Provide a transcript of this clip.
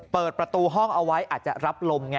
เปิดประตูห้องเอาไว้อาจจะรับลมไง